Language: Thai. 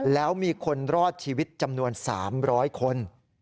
แล้วมีคนรอดชีวิตจำนวน๓๐๐คน